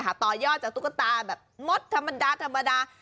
รอย่อจากตุ๊กตาหมดแบบมดธรรมดาธรรมดา